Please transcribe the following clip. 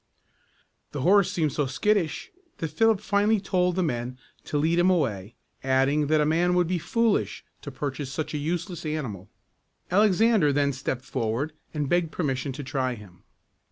The horse seemed so skittish that Philip finally told the men to lead him away, adding that a man would be foolish to purchase such a useless animal. Alexander then stepped forward and begged permission to try him.